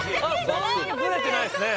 そんなにズレてないですね